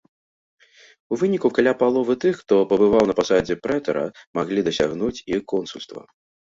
У выніку каля паловы тых, хто пабываў на пасадзе прэтара, маглі дасягнуць і консульства.